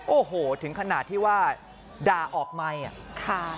โอ้โหถึงขนาดที่ว่าด่าออกไมค์อ่ะค่ะ